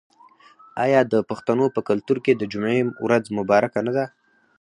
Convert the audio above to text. آیا د پښتنو په کلتور کې د جمعې ورځ مبارکه نه ده؟